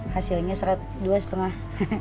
hasilnya dua setengah